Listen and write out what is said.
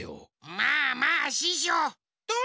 まあまあししょう。